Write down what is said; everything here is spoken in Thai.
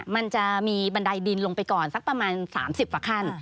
มันจะมีบันไดดินลงไปก่อนสักประมาณ๓๐กว่าขั้น